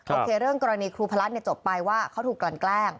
โอเคเรื่องกรณีครูพระจบไปว่าเขาถูกกลั่นแกล้ง